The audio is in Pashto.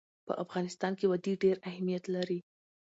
په افغانستان کې وادي ډېر اهمیت لري.